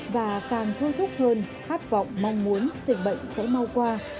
và càng thôi thúc hơn khát vọng mong muốn dịch bệnh sẽ mau qua